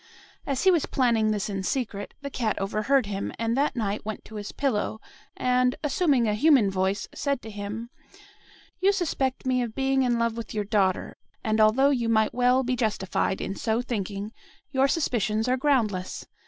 As he was planning this in secret, the cat overheard him, and that night went to his pillow, and, assuming a human voice, said to him "'You suspect me of being in love with your daughter; and although you might well be justified in so thinking, your suspicions are groundless.